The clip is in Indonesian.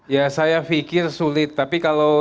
ya saya pikir sulit tapi kalau